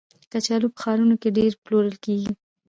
کچالو په ښارونو کې ډېر پلورل کېږي